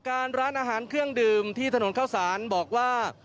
ร้านอาหารเครื่องดื่มที่ถนนเข้าสารบอกว่า